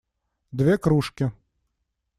Две кружки.